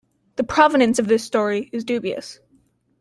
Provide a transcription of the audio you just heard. The provenance of this story is dubious.